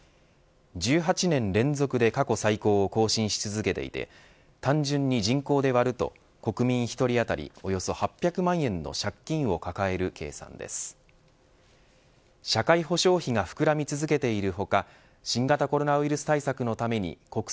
１８年連続で過去最高を更新し続けていて単純に人口で割ると国民１人当たりおよそ８００万円の借金を水曜日のお天気をお伝えします。